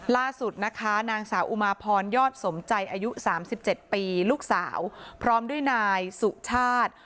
ล่าสุดนะคะนางสาวอุมาพรยอดสมใจอายุ๓๗ปีลูกสาวพร้อมด้วยนายสุชาติ